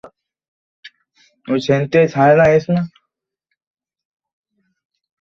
যদি আমার জীবনটা সে-ই আগের মতো হতো!